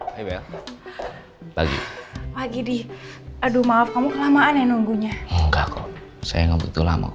hai bel pagi pagi di aduh maaf kamu kelamaan ya nunggunya enggak saya ngobrol lama